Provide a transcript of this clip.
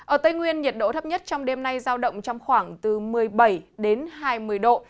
ở tây nguyên nhiệt độ thấp nhất trong đêm nay giao động trong khoảng từ một mươi bảy đến hai mươi độ